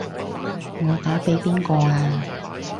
我打畀邊個啊？